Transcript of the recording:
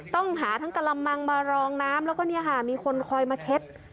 ต้องหาทั้งกระมังมารองน้ำแล้วก็เนี่ยค่ะมีคนคอยมาเช็ด